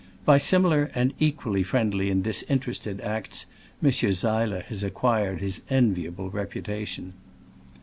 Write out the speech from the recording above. By similar and equally friendly and disinterested acts Monsieur Seiler has acquired his enviable repu tation.